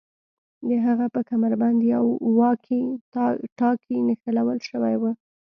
د هغه په کمربند یو واکي ټاکي نښلول شوی و